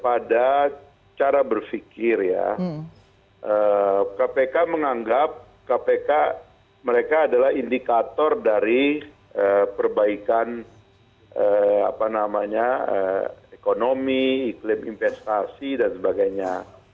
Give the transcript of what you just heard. pada cara berpikir ya kpk menganggap kpk mereka adalah indikator dari perbaikan ekonomi iklim investasi dan sebagainya